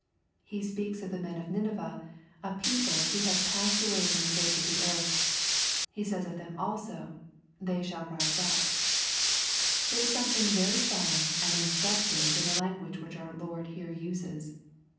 '* He speaks of the men of Nineveh, a people who have passed away from the face of the earth. He says of them also, " they shall rise up." There is something very solemn and instructive in the language which our Lord here uses.